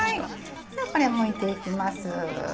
ではこれむいていきます。